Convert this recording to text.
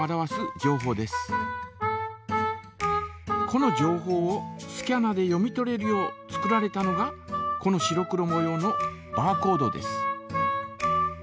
この情報をスキャナで読み取れるよう作られたのがこの白黒もようのバーコードです。